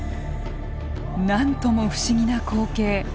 なんとも不思議な光景。